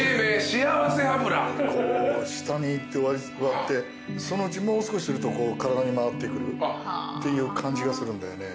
「幸せ脂」下にいって割ってそのうちもう少しすると体に回ってくるっていう感じがするんだよね。